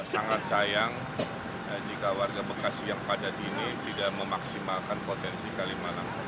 sangat sayang jika warga bekasi yang padat ini tidak memaksimalkan potensi kalimalang